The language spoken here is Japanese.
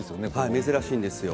珍しいですよね。